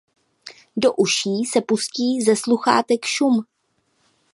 Do uší se pustí ze sluchátek šum.